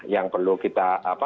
yang perlu kita